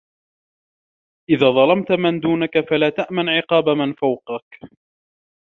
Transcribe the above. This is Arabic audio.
إذا ظلمت من دونك فلا تأمن عقاب من فوقك